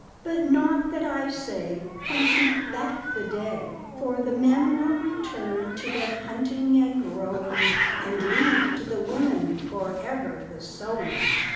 But naught that I say Can keep back the day, For the men will return to their hunting and rowing, And leave to the women forever the sewing."